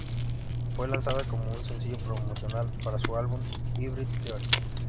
Fue lanzada como un sencillo promocional para su álbum "Hybrid Theory".